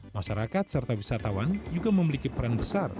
masyarakat serta wisatawan juga memiliki peran besar